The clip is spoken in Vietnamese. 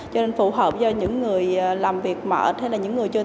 cho nên phù hợp cho những người làm việc mệt